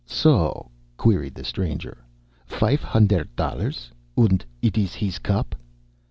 "So?" queried the stranger. "Fife hunderdt dollars? Und it is his cup?"